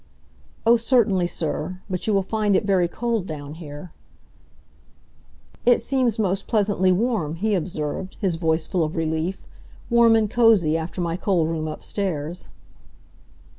"Oh, certainly, sir; but you will find it very cold down here." "It seems most pleasantly warm," he observed, his voice full of relief, "warm and cosy, after my cold room upstairs."